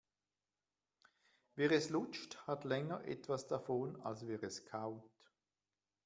Wer es lutscht, hat länger etwas davon, als wer es kaut.